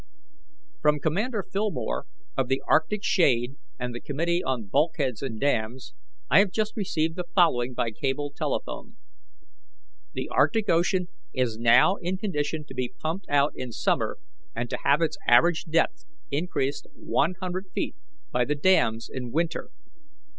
"From Commander Fillmore, of the Arctic Shade and the Committee on Bulkheads and Dams, I have just received the following by cable telephone: 'The Arctic Ocean is now in condition to be pumped out in summer and to have its average depth increased one hundred feet by the dams in winter.